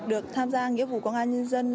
được tham gia nghĩa vụ công an nhân dân